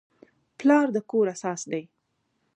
پلار د کور اساس دی.